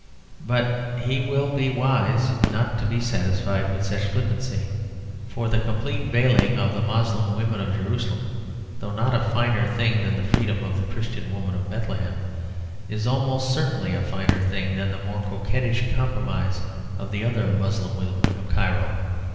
But he will be wise not to be satisfied with such flippancy, for the complete veiling of the Moslem women of Jerusalem, though not a finer thing than the freedom of the Christian woman of Bethlehem, is almost certainly a finer thing than the more coquettish compromise of the other Moslem women of Cairo.